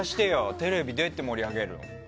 テレビ、どうやって盛り上げる？